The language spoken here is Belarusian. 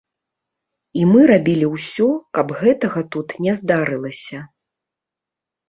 І мы рабілі ўсё, каб гэтага тут не здарылася.